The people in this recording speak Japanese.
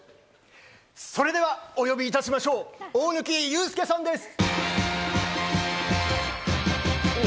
それではお呼びいたしましょう、大貫勇輔さんです。